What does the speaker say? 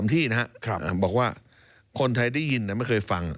ที่นะครับบอกว่าคนไทยได้ยินไม่เคยฟัง